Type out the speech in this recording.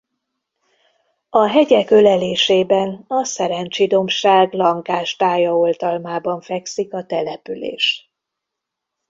A hegyek ölelésében a Szerencsi-dombság lankás tája oltalmában fekszik a település.